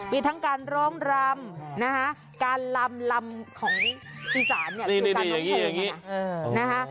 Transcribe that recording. มีทั้งการร้องรำนะคะการลำของอีสานอยู่กับโขทัย